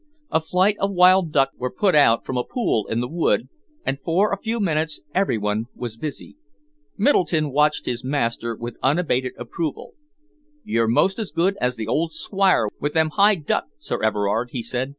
A flight of wild duck were put out from a pool in the wood, and for a few minutes every one was busy. Middleton watched his master with unabated approval. "You're most as good as the old Squire with them high duck, Sir Everard," he said.